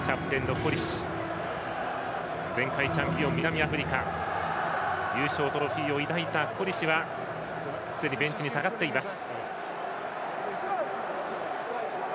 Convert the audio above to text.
前回チャンピオン南アフリカ優勝トロフィーを抱いたコリシはすでにベンチに下がっています。